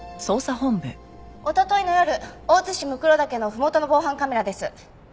おとといの夜大津市骸岳の麓の防犯カメラです。